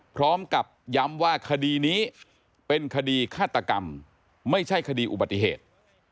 พร้อมกับย้ำว่าคดีนี้เป็นคดีฆาตกรรมไม่ใช่คดีอุบัติเหตุ